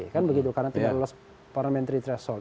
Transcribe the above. kan begitu karena tidak lolos parliamentary threshold